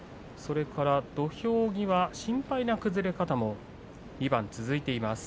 土俵際心配な崩れ方も２番続いています。